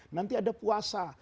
nanti ada puasa